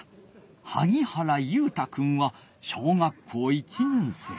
萩原佑太くんは小学校１年生。